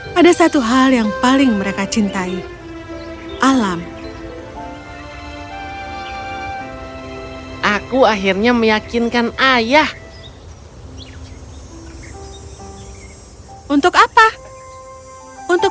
pada satu hal yang paling mereka cintai alam aku akhirnya meyakinkan ayah untuk apa untuk